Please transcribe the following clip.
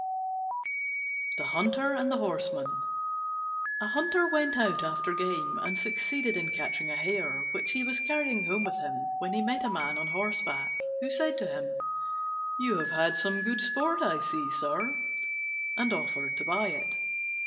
THE HUNTER AND THE HORSEMAN A Hunter went out after game, and succeeded in catching a hare, which he was carrying home with him when he met a man on horseback, who said to him, "You have had some sport I see, sir," and offered to buy it.